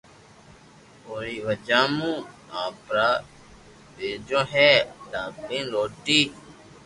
اوري وجہ مون اپارا بچو اي دھاپين روٽي